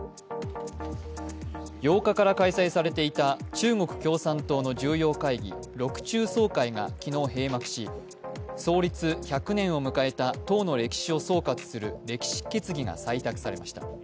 ８日から開催されていた中国共産党の重要会議、６中総会が昨日閉幕し、創立１００年を迎えた党の歴史を総括する歴史決議が採択されました。